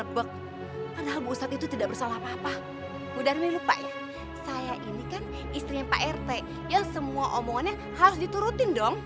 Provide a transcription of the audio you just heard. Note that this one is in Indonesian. bentar gimana tuh